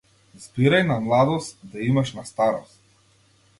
Збирај на младост, да имаш на старост.